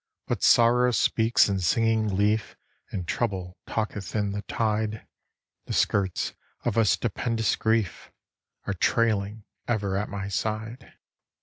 But sorrow speaks in singing leaf, And trouble talketh in the tide; The skirts of a stupendous grief Are trailing ever at my side.